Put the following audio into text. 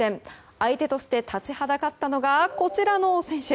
相手として立ちはだかったのがこちらの選手。